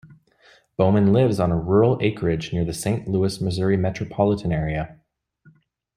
Bowman lives on a rural acreage near the Saint Louis, Missouri metropolitan area.